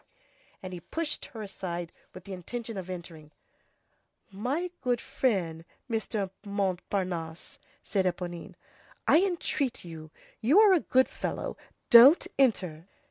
And he pushed her aside with the intention of entering. "My good friend, Mr. Montparnasse," said Éponine, "I entreat you, you are a good fellow, don't enter."